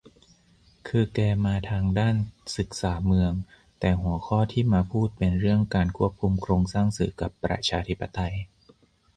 คือแกมาทางด้านศึกษาเมือง แต่หัวข้อที่มาพูดเป็นเรื่องการควบคุมโครงสร้างสื่อกับประชาธิปไตย